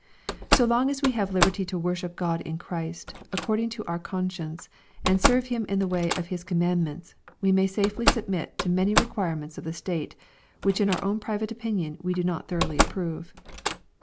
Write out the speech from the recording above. So long as we have liberty to worship Grod in Christy accord ing to our conscience, and to serve Him in the way of His com mandments, we may safely submit to many requirements of the state, which in our own private opinion we do not thoroughly approve.